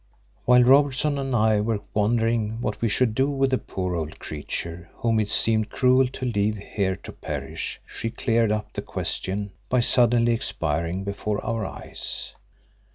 While Robertson and I were wondering what we should do with the poor old creature whom it seemed cruel to leave here to perish, she cleared up the question by suddenly expiring before our eyes.